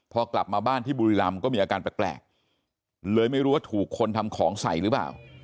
พอกลับมาบ้านที่บุรีรำก็มีอาการแปลกเลยไม่รู้ว่าถูกคนทำของใส่หรือเปล่า